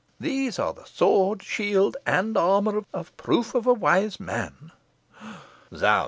These are the sword, shield, and armour of proof of a wise man." "Zounds!